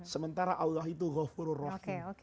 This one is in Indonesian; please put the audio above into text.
sementara allah itu ghafururrahim